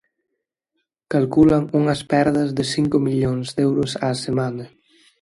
Calculan unhas perdas de cinco millóns de euros á semana.